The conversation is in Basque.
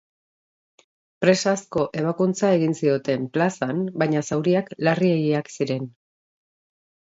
Presazko ebakuntza egin zioten plazan baina zauriak larriegiak ziren.